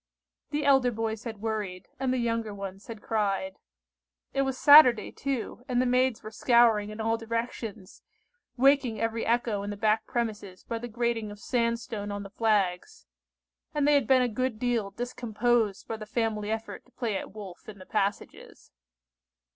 The elder boys had worried, and the younger ones had cried. It was Saturday too, and the maids were scouring in all directions, waking every echo in the back premises by the grating of sand stone on the flags; and they had been a good deal discomposed by the family effort to play at "Wolf" in the passages.